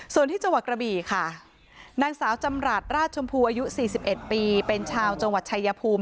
ส่วนที่จังหวัดกระบี่ค่ะนางสาวจำรัฐราชชมพูอายุ๔๑ปีเป็นชาวจังหวัดชายภูมิ